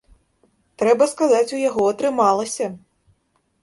Трэба сказаць, у яго атрымалася!